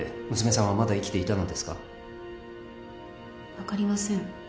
分かりません。